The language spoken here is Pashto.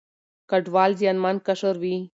کډوال زیانمن قشر وي.